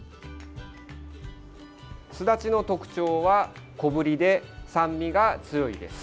すだちの特徴は小ぶりで酸味が強いです。